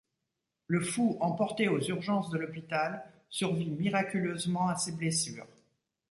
Le Fou, emporté aux urgences de l'hôpital, survit miraculeusement à ses blessures.